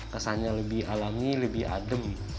kesannya lebih alami lebih adem